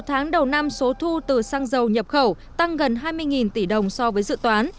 một mươi một tháng đầu năm số thu từ xăng dầu nhập khẩu tăng gần hai mươi tỷ đồng so với dự toán